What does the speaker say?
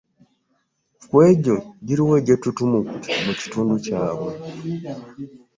Ku egyo, giriwa egy’ettutumu mu kitundu kyabwe?